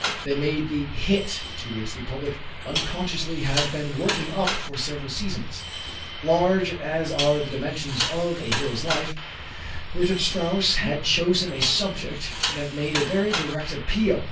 They made the "hit" to which the public unconsciously had been working up for several seasons. Large as are the dimensions of "A Hero's Life," Richard Strauss had chosen a subject that made a very direct appeal.